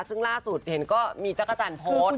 ซึ่งล่าสุดเห็นก็มีจักรจันทร์โพสต์